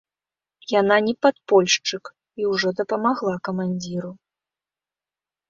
Яна не падпольшчык і ўжо дапамагла камандзіру.